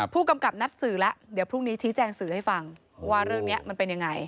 ผู้กำกับนัดสื่อแล้วเดี๋ยวพรุ่งนี้ชี้แจงสื่อให้ฟังว่าเรื่องนี้มันเป็นยังไง